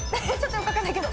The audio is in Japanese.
よく分かんないけど。